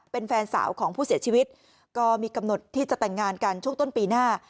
เป็นแฟนสาวของผู้เสียชีวิตก็มีกำหนดที่จะแต่งงานกันช่วงต้นปีหน้า